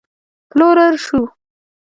پلورل شو